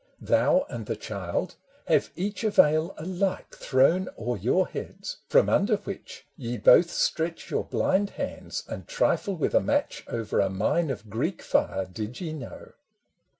Thou and the child have each a veil alike Thrown o'er your heads, from under which ye both Stretch your blind hands and trifle with a match Over a mine of Greek fire, did ye know